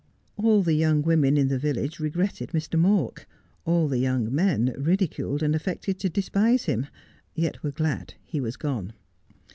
All the young women in the village regretted Mr. Mawk ; all the young men ridiculed and affected to despise him, yet were glad he was gone.